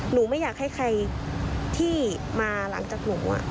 ไม่อยากให้ใครที่มาหลังจากหนู